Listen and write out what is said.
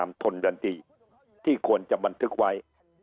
เราจงมีอาจโดนวรรณชาติ